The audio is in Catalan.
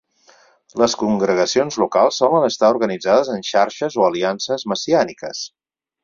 Les congregacions locals solen estar organitzades en xarxes o aliances messiàniques.